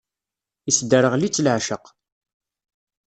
Isderɣel-itt leεceq.